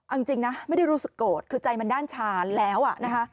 เอาจริงนะไม่ได้รู้สึกโกรธคือใจมันด้านชาญแล้วนะคะ